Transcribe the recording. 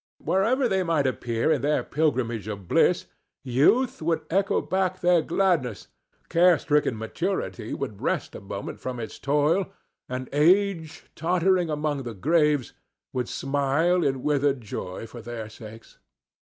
Wherever they might appear in their pilgrimage of bliss, Youth would echo back their gladness, care stricken Maturity would rest a moment from its toil, and Age, tottering among the graves, would smile in withered joy for their sakes.